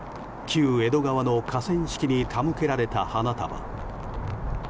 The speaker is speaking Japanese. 旧江戸川の河川敷に手向けられた花束。